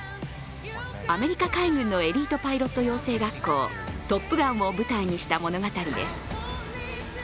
アメリカ海軍のエリートパイロット養成学校、トップガンを舞台にした物語です。